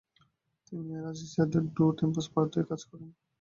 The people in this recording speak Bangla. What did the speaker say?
তিনি 'এ লা রিচার্চে ডু টেম্পস পারদু' এ কাজ করেন।